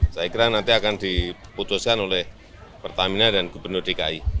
saya kira nanti akan diputuskan oleh pertamina dan gubernur dki